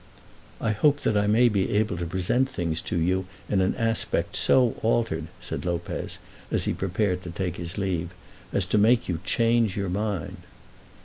"I hope that I may be able to present things to you in an aspect so altered," said Lopez as he prepared to take his leave, "as to make you change your mind."